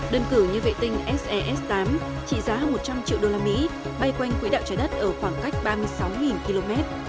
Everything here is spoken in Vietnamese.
đơn cử như vệ tinh sest tám trị giá hơn một trăm linh triệu đô la mỹ bay quanh quỹ đạo trái đất ở khoảng cách ba mươi sáu km